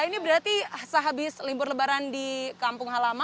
ini berarti sehabis libur lebaran di kampung halaman